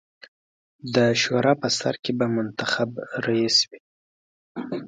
د شورا په سر کې به منتخب رییس وي.